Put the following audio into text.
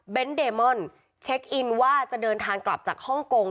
เดมอนเช็คอินว่าจะเดินทางกลับจากฮ่องกง